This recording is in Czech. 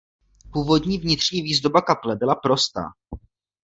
Původní vnitřní výzdoba kaple byla prostá.